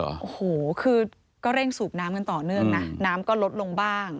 โอ้โหคือก็เร่งสูบน้ำกันต่อเนื่องนะน้ำก็ลดลงบ้าง